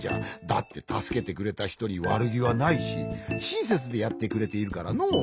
だってたすけてくれたひとにわるぎはないししんせつでやってくれているからのう。